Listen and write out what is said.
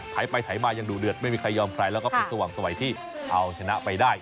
ถ่ายไปไถมายังดูเดือดไม่มีใครยอมใครแล้วก็เป็นสว่างสวัยที่เอาชนะไปได้